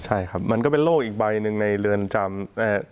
ใช่ครับมันก็เป็นโรคอีกใบหนึ่งในเรือนจำ